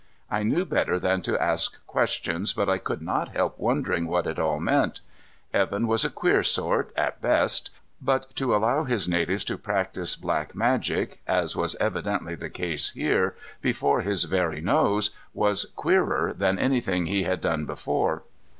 I knew better than to ask questions, but I could not help wondering what it all meant. Evan was a queer sort, at best, but to allow his natives to practice black magic as was evidently the case here before his very nose was queerer than anything he had done before.